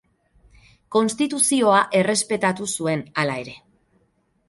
Konstituzioa errespetatu zuen, hala ere.